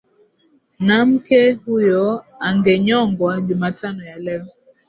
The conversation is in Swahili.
namke huyo angenyongwa jumatano ya leo